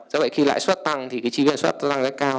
do vậy khi lãi suất tăng thì cái chi viên suất tăng rất là cao